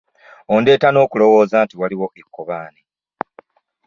Ondeeta n'okulowooza nti waliwo ekkobaane.